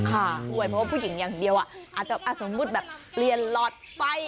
เพราะว่าผู้หญิงอย่างเดียวอาจจะสมมุติเรียนหลอดไป